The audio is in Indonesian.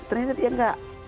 ternyata dia tidak